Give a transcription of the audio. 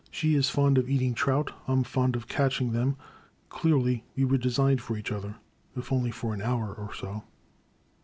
She is fond of eat ing trout, I *m fond of catching them. Clearly we were designed for each other, — ^if only for an hour or so.